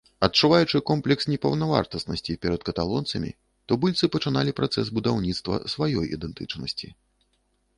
Адчуваючы комплекс непаўнавартаснасці перад каталонцамі, тубыльцы пачыналі працэс будаўніцтва сваёй ідэнтычнасці.